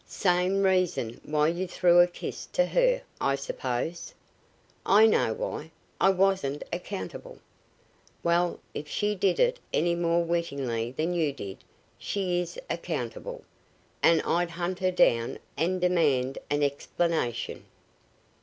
"Same reason why you threw a kiss to her, I suppose?" "I know why; I wasn't accountable." "Well, if she did it any more wittingly than you did, she is accountable, and I'd hunt her up and demand an explanation."